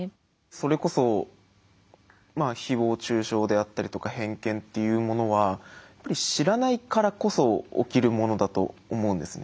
それこそ誹謗中傷であったりとか偏見っていうものは知らないからこそ起きるものだと思うんですね。